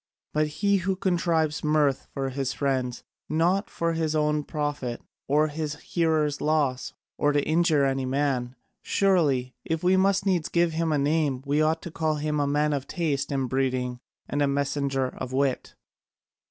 But he who contrives mirth for his friends, not for his own profit, or his hearers' loss, or to injure any man, surely, if we must needs give him a name, we ought to call him a man of taste and breeding and a messenger of wit."